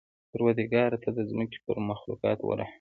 پروردګاره! ته د ځمکې په مخلوقاتو ورحمېږه.